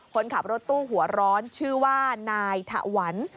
คนขับรถตู้หัวร้อนชื่อว่านายถวัน